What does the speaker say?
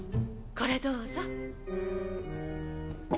これどうぞ。